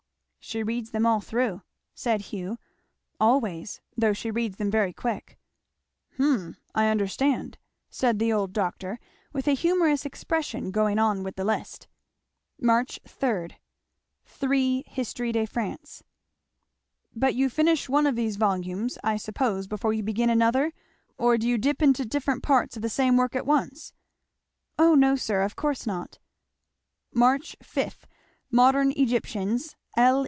"She reads them all through," said Hugh, "always, though she reads them very quick." "Hum I understand," said the old doctor with a humorous expression, going on with the list. 'March 3. 3 Hist. de France.' "But you finish one of these volumes, I suppose, before you begin another; or do you dip into different parts of the same work at once?" "O no, sir; of course not!" 'Mar. 5. Modern Egyptians. L.